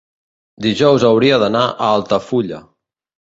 dijous hauria d'anar a Altafulla.